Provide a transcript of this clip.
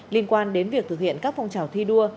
liên quan đến việc thực hiện các phong trào thi đua